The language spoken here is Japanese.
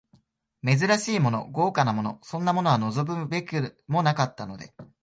珍しいもの、豪華なもの、そんなものは望むべくもなかったので、